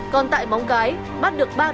còn tại móng cái bắt được thẻ giả